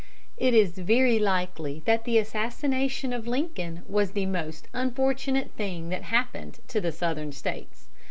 It is very likely that the assassination of Lincoln was the most unfortunate thing that happened to the Southern States.